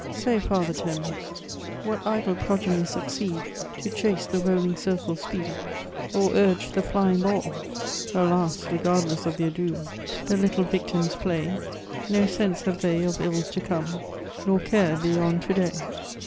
Say» fisther Thames. What idle progeny succeed , To chase the rolling civde's speed. Or urge the flying baiU ? I •««•• AlasI regardless of their doom. The little fictims play; No sense have they of ills to ccHne» Nor care beyond to day.